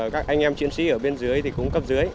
các anh em chiến sĩ ở bên dưới thì cũng cấp dưới